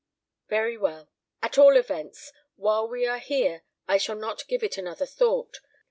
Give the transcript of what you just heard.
"Very well. At all events, while we are here, I shall not give it another thought.